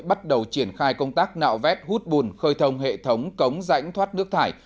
bắt đầu triển khai công tác nạo vét hút bùn khơi thông hệ thống cống rãnh thoát nước thải